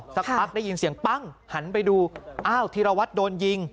สักพักได้ยินเสียงปั้งหันไปดูอ้าวธีรวัตรโดนยิง